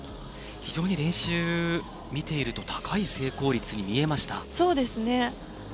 非常に練習、見ていると高い成功率に見えました。